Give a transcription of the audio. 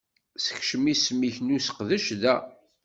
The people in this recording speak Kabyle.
Sekcem isem-ik n useqdac da.